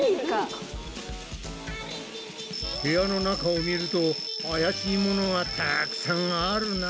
部屋の中を見るとあやしいものがたくさんあるな。